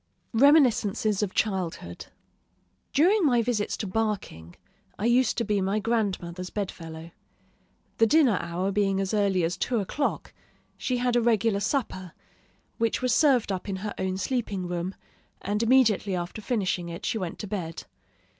REMINISCENCES OF CHILDHOOD During my visits to Barking, I used to be my grandmother's bedfellow. The dinner hour being as early as two o'clock, she had a regular supper, which was served up in her own sleeping room; and immediately after finishing it, she went to bed.